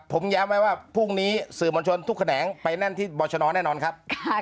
ผมแย้มไว้ว่าภูมินี้สื่อบรรชนทุกแหน่งไปแน่นที่บ่ฉน้อแน่นอนครับ